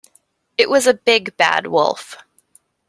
It was a big, bad wolf.